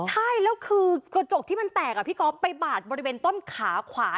ใช่แล้วคือกระจกที่มันแตกพี่ก๊อฟไปบาดบริเวณต้นขาขวา